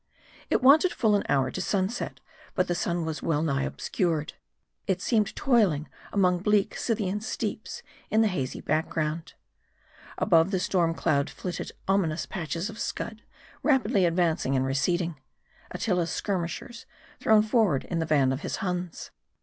It wanted full an hour to sunset ; but the sun was well nigh obscured. It seemed toiling among bleak Scythian steeps in the hazy background. Above the storm cloud flitted ominous patches of scud, rapidly advancing and re ceding : Attila's skirmishers, thrown forward in the van of his Huns.